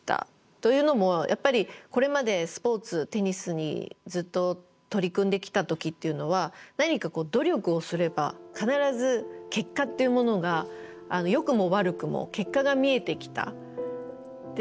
というのもこれまでスポーツテニスにずっと取り組んできた時っていうのは何か努力をすれば必ず結果っていうものがよくも悪くも結果が見えてきた。